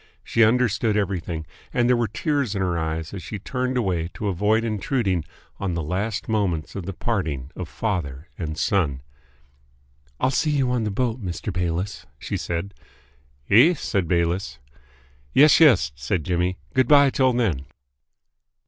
She understood everything, and there were tears in her eyes as she turned away to avoid intruding on the last moments of the parting of father and son. "I'll see you on the boat, Mr. Bayliss," she said. "Eh?" said Bayliss. "Yes, yes," said Jimmy. "Good bye till then."